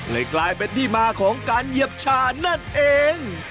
เลยกลายเป็นที่มาของการเหยียบชานั่นเอง